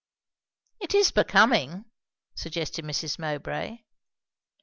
"It is becoming " suggested Mrs. Mowbray.